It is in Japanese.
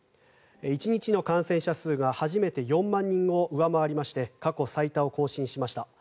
１日の感染者数が初めて４万人を上回りまして過去最多を更新しました。